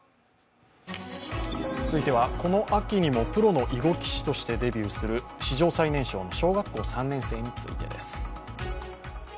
続いては、この秋にもプロの囲碁棋士としてデビューする史上最年少の小学校３年生についてです。